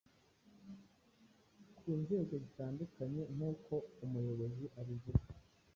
ku nzego zitandukanye nk’uko Umuyobozi abivuga